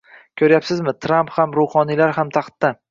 Ko'ryapsizmi, Tramp ham, ruhoniylar ham taxtda